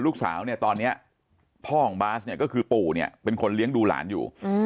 ลูกสาวเนี่ยตอนนี้พ่อของบาสเนี่ยก็คือปู่เนี่ยเป็นคนเลี้ยงดูหลานอยู่